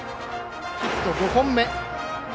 ヒット５本目。